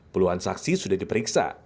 peluang saksi sudah diperiksa